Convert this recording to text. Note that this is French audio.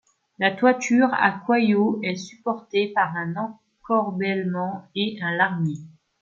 La toiture à coyaux est supportées par un encorbellement et un larmier.